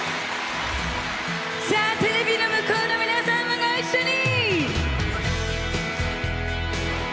テレビの向こうの皆さんもご一緒に！